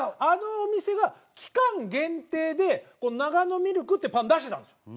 あのお店が期間限定で長野ミルクってパン出してたんです。